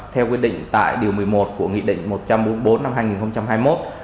theo quyết định tại điều một mươi một của nghị định một trăm bốn mươi bốn năm hai nghìn hai mươi một